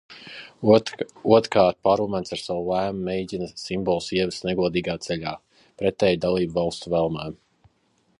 Otrkārt, Parlaments ar savu lēmumu mēģina simbolus ieviest negodīgā ceļā, pretēji dalībvalstu vēlmēm.